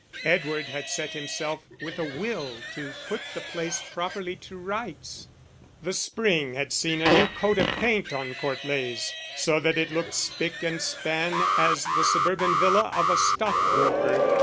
Edward had set himself with a will to put the place properly to rights. The spring had seen a new coat of paint on Court Leys, so that it looked spick and span as the suburban villa of a stockbroker.